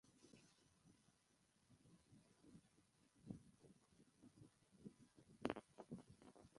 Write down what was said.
এখানে বাংলাদেশের অন্যতম প্রধান ব্যাংক, জনতা ব্যাংকের প্রধান কার্যালয় অবস্থিত।